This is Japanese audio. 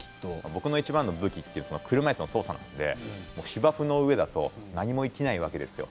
僕のいちばんの武器は車いすの操作なので芝生の上だと何も生きないわけですよ